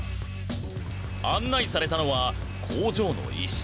案内されたのは工場の一室。